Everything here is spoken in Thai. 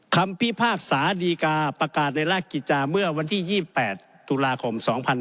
พิพากษาดีกาประกาศในราชกิจจาเมื่อวันที่๒๘ตุลาคม๒๕๕๙